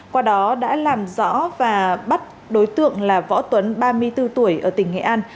qua đó đã làm rõ và bắt đối tượng là võ tuấn ba mươi bốn tuổi ở tỉnh nghệ an